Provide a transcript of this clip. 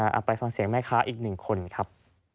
เอาไปฟังเสียงแม่ค้าอีกหนึ่งคนครับ